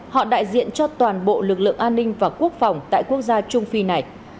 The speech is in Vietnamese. họ đại diện cho toàn bộ lực lượng an ninh và quốc phòng tại quốc gia trung phi này